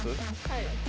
はい。